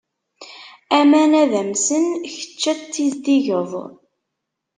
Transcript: Aman ad amsen, kečč ad tizdigeḍ.